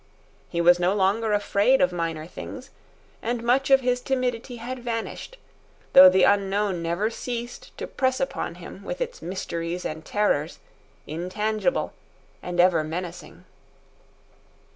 He was no longer afraid of minor things, and much of his timidity had vanished, though the unknown never ceased to press upon him with its mysteries and terrors, intangible and ever menacing.